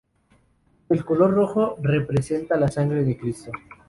El color rojo representa la sangre de Cristo.